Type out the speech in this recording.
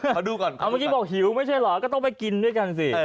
เมื่อกี้บอกคิดหิวมั่ยใช่หรอก็ต้องไปกินด้วยกันสิ